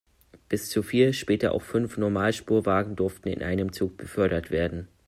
Bis zu vier, später auch fünf Normalspurwagen durften in einem Zug befördert werden.